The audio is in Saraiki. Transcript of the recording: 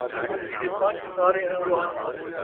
اندھی دے پنج، سارے انجو انج